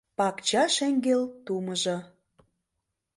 Пакча шеҥгел тумыжо